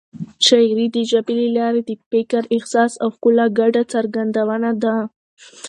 شاعري د ژبې له لارې د فکر، احساس او ښکلا ګډه څرګندونه ده.